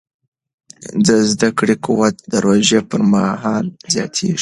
د زده کړې قوت د روژې پر مهال زیاتېږي.